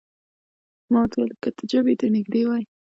ما ورته وویل: که ته جبهې ته نږدې وای.